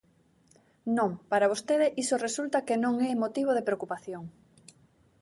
Non, para vostede iso resulta que non é motivo de preocupación.